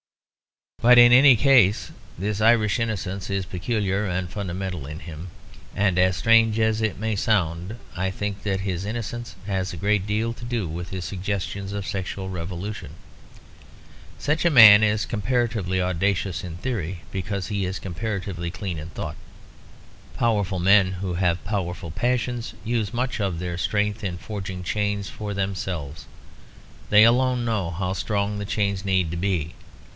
But in any case this Irish innocence is peculiar and fundamental in him; and strange as it may sound, I think that his innocence has a great deal to do with his suggestions of sexual revolution. Such a man is comparatively audacious in theory because he is comparatively clean in thought. Powerful men who have powerful passions use much of their strength in forging chains for themselves; they alone know how strong the chains need to be.